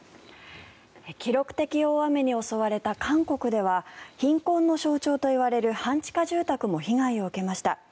記録的大雨に襲われた韓国では貧困の象徴といわれる半地下住居も被害を受けました。